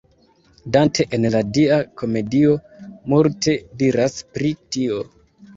Dante en la Dia Komedio multe diras pri tio.